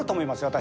私。